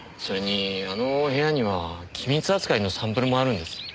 それにあの部屋には機密扱いのサンプルもあるんです。